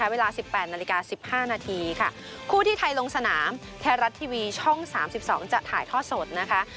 เวลา๑๘นาฬิกา๑๕นาทีค่ะคู่ที่ไทยลงสนามไทยรัฐทีวีช่อง๓๒จะถ่ายทอดสดนะคะ